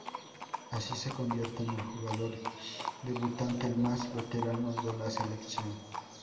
Así se convierte en el jugador debutante más veterano de la Selección.